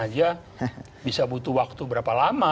kalau kita bayangkan misalnya untuk minta izin penyadapan aja